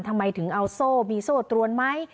ทำไมถึงเอาโซ่มีโซ่ตรวนไหม